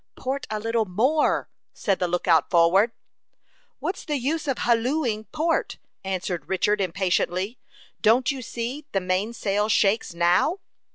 "Port a little more," said the lookout forward. "What's the use of hallooing port?" answered Richard, impatiently. "Don't you see the mainsail shakes now?"